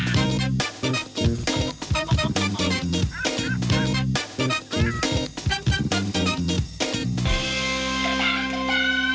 สวัสดีครับ